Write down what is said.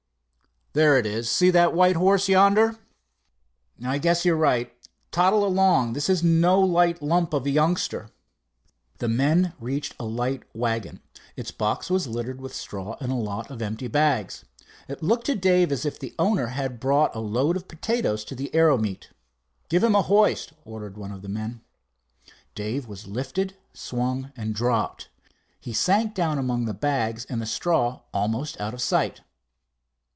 "There it is—see that white horse yonder?" "I guess you're right. Toddle along. This is no light lump of a youngster." The men reached a light wagon. Its box was littered with straw and a lot of empty bags. It looked to Dave as if its owner had brought a load of potatoes to the aero meet. "Give him a hoist," ordered one of the men. Dave was lifted, swung, and dropped. He sank down among the bags and the straw almost out of sight.